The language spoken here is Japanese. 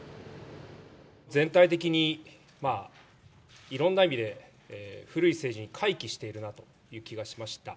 全体的にいろんな意味で、古い政治に回帰しているなという気がしました。